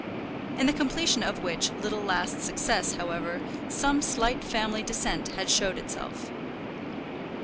In the completion of which little last success, however, some slight family dissent had showed itself.